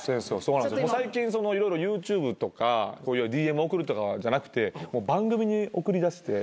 最近ＹｏｕＴｕｂｅとかＤＭ送るとかじゃなくて番組に送りだして。